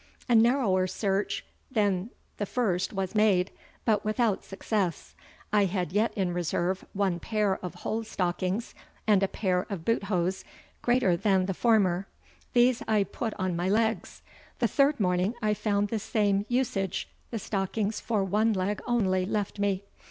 A narrower search then the first was made, bot without successe. I had yet in reserve one paire of whole stockings, and a paire of boothose, greater then the former. These I put on my legs. The third morning I found the same usage, the stockins for one leg onlie left me.